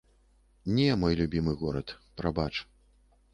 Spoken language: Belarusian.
Не, мой любімы горад, прабач.